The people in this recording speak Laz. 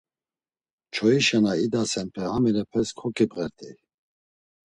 Çoyişa na idasenpe haminepes koǩibğert̆ey.